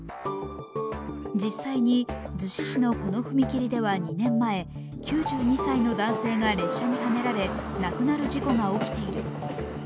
実際に逗子市のこの踏切では２年前９２歳の男性が列車にはねられ亡くなる事故が起きている。